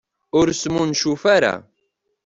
Ur smuncuf ara.